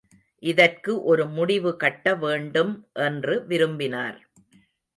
இதற்கு ஒரு முடிவுகட்ட வேண்டும் என்று விரும்பினார்.